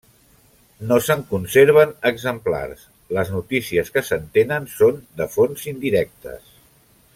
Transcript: No se'n conserven exemplars, les notícies que se'n tenen són de fonts indirectes.